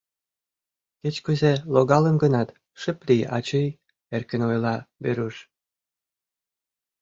— Кеч-кузе логалын гынат, шып лий, ачый, — эркын ойла Веруш.